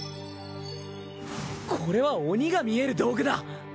これは鬼が見える道具だ！